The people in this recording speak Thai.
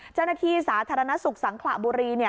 เจ้าหน้าที่สาธารณสุขสังขระบุรี